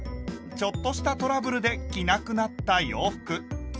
ちょっとしたトラブルで着なくなった洋服。